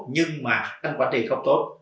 nhưng mà anh quản trị không tốt